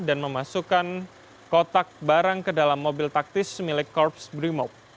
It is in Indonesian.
dan memasukkan kotak barang ke dalam mobil taktis milik korps brimop